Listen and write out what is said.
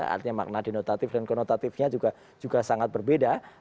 artinya makna denotatif dan konotatifnya juga sangat berbeda